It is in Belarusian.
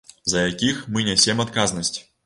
За якіх мы нясем адказнасць.